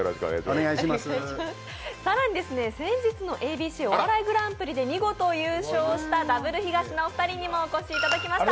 更に先日のＡＢＣお笑いグランプリで見事優勝したダブルヒガシのお二人にもお越しいただきました。